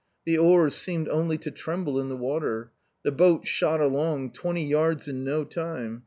The oars seemed only to tremble in the water. The boat shot along, twenty yards in no time